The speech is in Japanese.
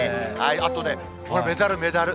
あとね、これ、メダル、メダル。